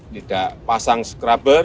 tidak pasang skraber